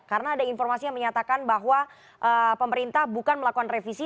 karena ada informasi yang menyatakan bahwa pemerintah bukan melakukan revisi